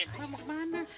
eh mak mau kemana